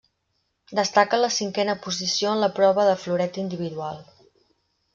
Destaca la cinquena posició en la prova de floret individual.